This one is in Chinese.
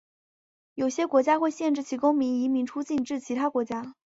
有些国家会限制其公民移民出境至其他国家。